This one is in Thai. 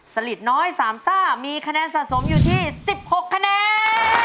สลิดน้อย๓ซ่ามีคะแนนสะสมอยู่ที่๑๖คะแนน